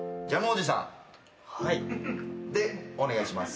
でお願いします。